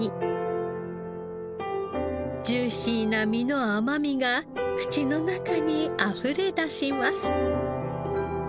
ジューシーな身の甘みが口の中にあふれ出します。